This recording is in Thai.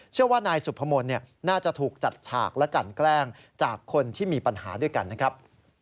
เชื่อว่านายสุพมนต์น่าจะถูกจัดฉากและกันแกล้งจากคนที่มีปัญหาด้วยกันนะครับ